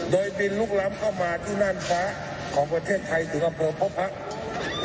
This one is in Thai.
โดยบินลุกล้ำเข้ามาที่น่านฟ้าของประเทศไทยถึงอำเภอพบ